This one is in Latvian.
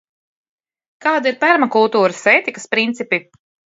Kādi ir permakultūras ētikas principi?